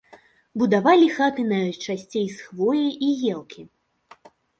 Будавалі хаты найчасцей з хвоі і елкі.